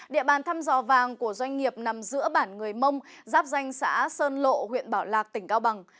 địa bàn thăm dò vàng của doanh nghiệp nằm giữa bản người mông giáp danh xã sơn lộ huyện bảo lạc tỉnh cao bằng